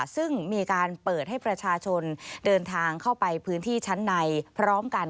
ซึ่งมีการเปิดให้ประชาชนเดินทางเข้าไปพื้นที่ชั้นในพร้อมกัน